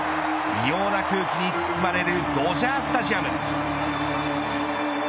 異様な空気に包まれるドジャー・スタジアム。